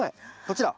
こちら。